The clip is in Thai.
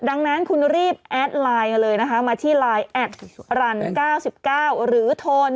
ดังนั้นคุณรีบแอดไลน์กันเลยนะคะมาที่ไลน์แอดรัน๙๙หรือโทน